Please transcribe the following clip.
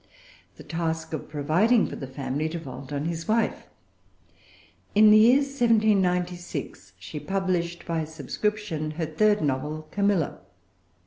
The task of providing for the family devolved on his wife. In the year 1796 she published by subscription her third novel, Camilla.